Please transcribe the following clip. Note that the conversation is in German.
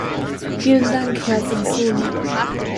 Vielen Dank, Herr Sassoli.